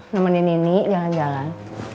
nemanin ini jangan jalan